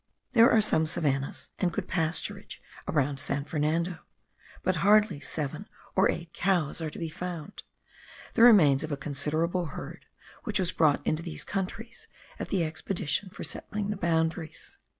There are some savannahs and good pasturage round San Fernando, but hardly seven or eight cows are to be found, the remains of a considerable herd which was brought into these countries at the expedition for settling the boundaries.